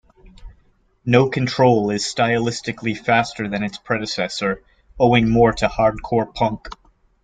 "No Control" is stylistically faster than its predecessor, owing more to hardcore punk.